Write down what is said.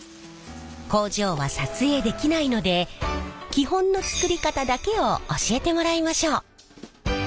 工場は撮影できないので基本の作り方だけを教えてもらいましょう。